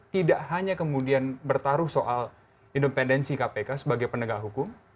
tidak hanya kemudian bertaruh soal independensi kpk sebagai penegak hukum